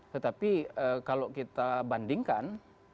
tetapi kalau kita bandingkan